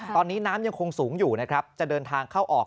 ตอนนี้น้ำยังคงสูงอยู่นะครับจะเดินทางเข้าออก